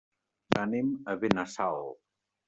Anem a Benassal.